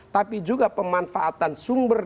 tapi juga pemanfaatan sumber